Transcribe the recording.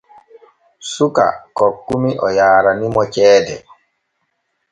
Suka kokkumi o yaaranimo ceede.